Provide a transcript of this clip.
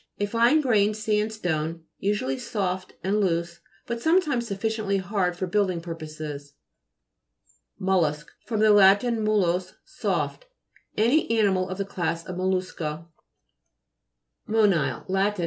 A fine grained sand stone, usually soft and loose, but sometimes sufficiently hard for building purposes. MOLLUSK fr. lat. mollis, soft. Any animal of the class of mollusca. GLOSSARY GEOLOGY. 227 MONI'LE Lat.